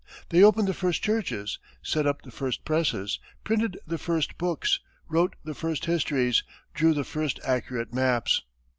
They opened the first churches, set up the first presses, printed the first books, wrote the first histories, drew the first accurate maps.